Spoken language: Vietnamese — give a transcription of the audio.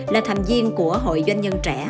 là thành viên của hội doanh nhân trẻ